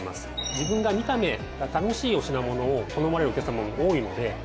自分が見た目が楽しいお品物を好まれるお客様も多いので。